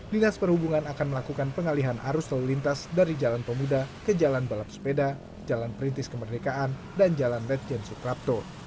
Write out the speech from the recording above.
dinas perhubungan akan melakukan pengalihan arus lalu lintas dari jalan pemuda ke jalan balap sepeda jalan perintis kemerdekaan dan jalan ledjen suprapto